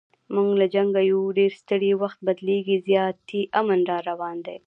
موږ له جنګه یو ډېر ستړي، وخت بدلیږي زیاتي امن را روان دی